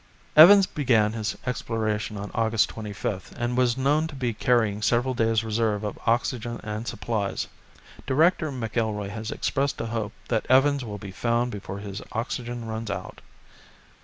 Evans began his exploration on August 25th, and was known to be carrying several days reserve of oxygen and supplies. Director McIlroy has expressed a hope that Evans will be found before his oxygen runs out.